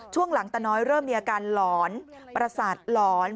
ช่วงหลังตาน้อยเริ่มมีอาการหลอนประสาทหลอน